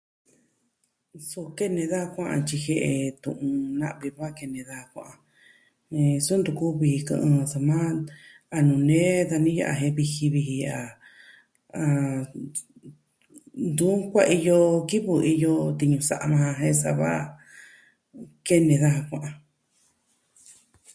Su kene daa kua'an tyi jie'e tu'un na'vi va kene daa kua'an. Eh... su ntu kuvi kɨ'ɨn soma a nuu nee dani ya'a jen viji viji ya'a. Ah... Ntu kuaiyo kivɨ iyo tiñu sa'a maa jen sava kene daja kua'an.